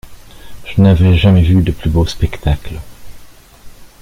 Je n’avais jamais vu de plus beau spectacle.